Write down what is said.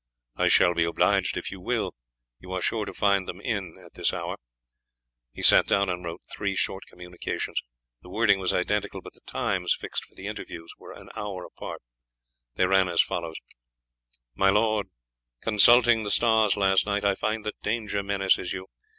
"I shall be obliged if you will; you are sure to find them in at this hour." He sat down and wrote three short communications. The wording was identical, but the times fixed for the interview were an hour apart. They ran as follows: "_My Lord, Consulting the stars last night I find that danger menaces you.